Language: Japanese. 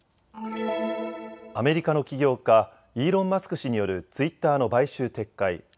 アメリカの起業家、イーロン・マスク氏によるツイッターの買収撤回。